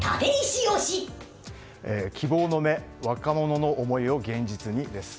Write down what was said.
希望の芽若者の思いを現実にです。